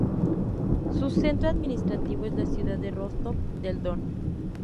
Su centro administrativo es la ciudad de Rostov del Don.